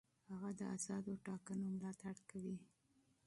هغه د آزادو ټاکنو ملاتړ کوي.